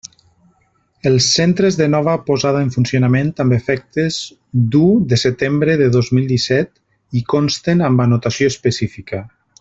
Els centres de nova posada en funcionament amb efectes d'u de setembre de dos mil disset hi consten amb anotació específica.